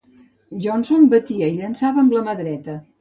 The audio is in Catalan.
Johnson batia i llançava amb la mà dreta.